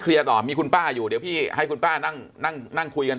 ต่อมีคุณป้าอยู่เดี๋ยวพี่ให้คุณป้านั่งนั่งคุยกัน